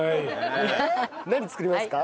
何作りますか？